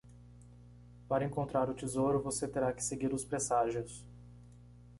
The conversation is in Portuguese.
Para encontrar o tesouro? você terá que seguir os presságios.